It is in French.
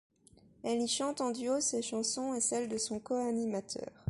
Elle y chante en duo ses chansons et celles de son co-animateur.